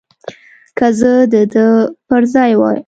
که زه د ده پر ځای وای.